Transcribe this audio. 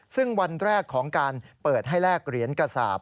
ซึ่งวันแรกของการเปิดให้แลกเหรียญกระสาป